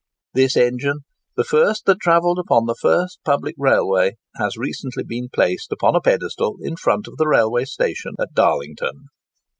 This engine, the first that travelled upon the first public railway, has recently been placed upon a pedestal in front of the railway station at Darlington.